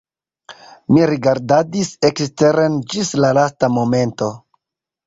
Mi rigardadis eksteren ĝis la lasta momento.